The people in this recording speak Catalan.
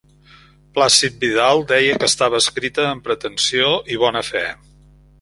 Plàcid Vidal deia que estava escrita amb pretensió i bona fe.